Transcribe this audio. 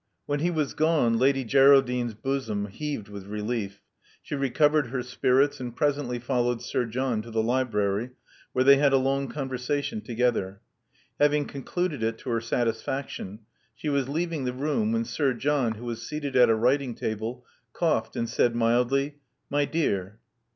When he was gone, Lady Geraldine's bosom heaved with relief: she recovered her spirits, and presently followed Sir John to the library, where they had a long conversation together. Having con cluded it to her satisfaction, she was leaving the room, when Sir John, who was seated at a writing table, coughed and said mildly: *'My dear."